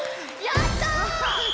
やった！